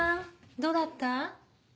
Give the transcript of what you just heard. どうだった？